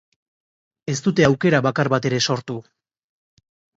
Ez dute aukera bakar bat ere sortu.